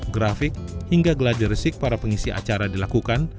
grafik hingga gladiarsik para pengisi acara dilakukan